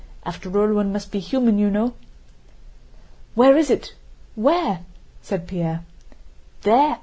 After all, one must be human, you know...." "Where is it? Where?" said Pierre. "There!